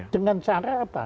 dengan cara apa